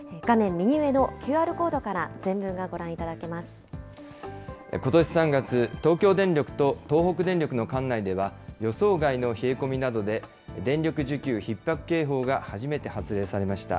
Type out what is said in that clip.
右上のＱＲコードから全文がことし３月、東京電力と東北電力の管内では、予想外の冷え込みなどで、電力需給ひっ迫警報が初めて発令されました。